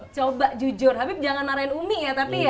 coba jujur habib jangan marahin umi ya tapi ya